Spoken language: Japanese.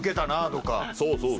そうそう。